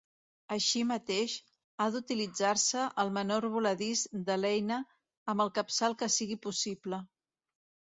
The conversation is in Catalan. Així mateix, ha d'utilitzar-se el menor voladís de l'eina amb el capçal que sigui possible.